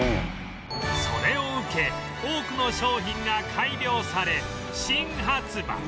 それを受け多くの商品が改良され新発売